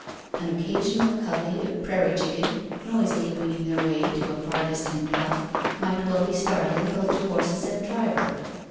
An occasional covey of prairie chicken, noisily winging their way to a far distant bluff, might well be startling both to horses and driver.